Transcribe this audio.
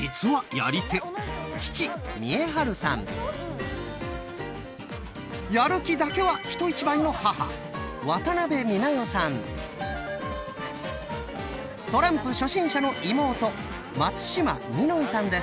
父やる気だけは人一倍の母トランプ初心者の妹